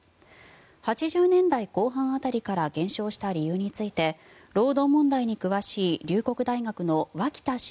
８０年代後半辺りから減少した理由について労働問題に詳しい龍谷大学の脇田滋